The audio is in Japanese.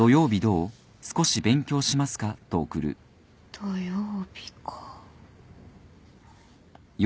土曜日か。